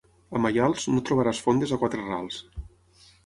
A Maials, no trobaràs fondes a quatre rals.